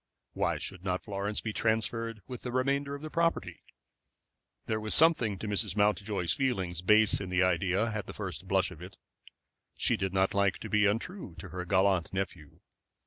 Why should not Florence be transferred with the remainder of the property? There was something to Mrs. Mountjoy's feelings base in the idea at the first blush of it. She did not like to be untrue to her gallant nephew.